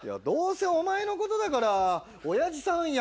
⁉どうせお前のことだから親父さん